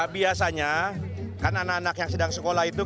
biasanya kan anak anak yang sedang sekolah itu